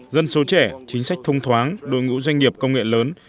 dân số trẻ chính sách thông thoáng đội ngũ doanh nghiệp công nghệ lớn